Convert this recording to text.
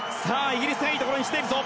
イギリスがいいところにきているぞ。